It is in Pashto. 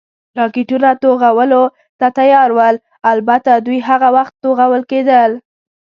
راکټونه، توغولو ته تیار ول، البته دوی هغه وخت توغول کېدل.